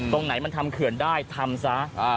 ตรงไหนมันทำเขื่อนได้ทำซะ